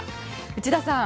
内田さん。